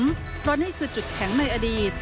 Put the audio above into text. เพราะนี่คือจุดแข็งในอดีต